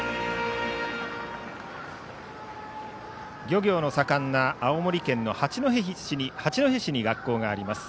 漁業の盛んな青森県の八戸市に学校があります。